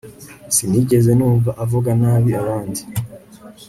Sinigeze numva avuga nabi abandi